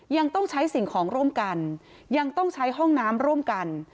ยังต้องใช้สิ่งของร่วมกันยังต้องใช้ห้องน้ำร่วมกัน